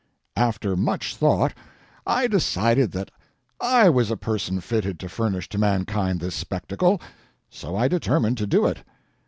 After much thought, I decided that I was a person fitted to furnish to mankind this spectacle. So I determined to do it.